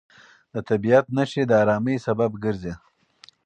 د طبیعت نښې د ارامۍ سبب ګرځي.